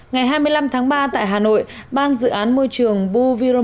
ngày hai mươi năm tháng ba tại hà nội ban dự án môi trường buviron